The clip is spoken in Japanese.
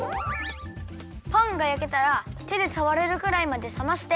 パンがやけたらてでさわれるくらいまでさまして。